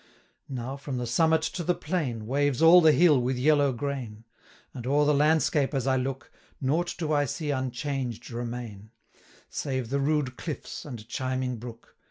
Now, from the summit to the plain, Waves all the hill with yellow grain; 510 And o'er the landscape as I look, Nought do I see unchanged remain, Save the rude cliffs and chiming brook.